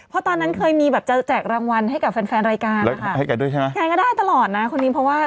เพราะตอนนั้นเคยมีแบบจะแจกรางวัลให้กับแฟนแฟนรายการให้แกด้วยใช่ไหมแกก็ได้ตลอดนะคนนี้เพราะว่า